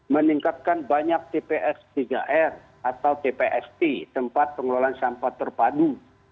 meningkatkan banyak tps tiga r atau tpst tempat pengelolaan sampah terpadu